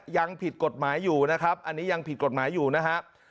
ยังผิดกฎหมายอยู่นะครับอันนี้ยังผิดกฎหมายอยู่นะครับ